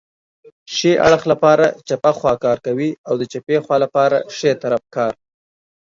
ښي اړخ لپاره چپه خواکار کوي او د چپې خوا لپاره ښی طرف کار